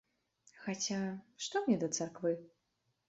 Хаця, што мне да царквы?